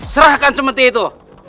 serahkan semut itu